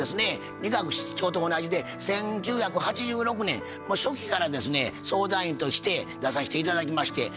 仁鶴室長と同じで１９８６年もう初期からですね相談員として出さして頂きまして。